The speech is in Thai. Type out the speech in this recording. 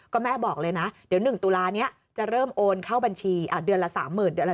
ก็แม่บอกเลยนะเดี๋ยว๑ตุลานี้จะเริ่มโอนเข้าบัญชีเดือนละ๓๐๐๐เดือน